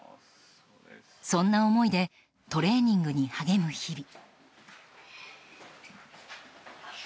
そんな思いでトレーニングに励む日々。